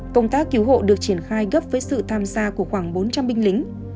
công tác cứu hộ được triển khai gấp với sự tham gia của khoảng bốn trăm linh binh lính